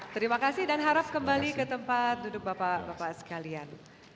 terima kasih dan harap kembali ke tempat duduk bapak bapak sekalian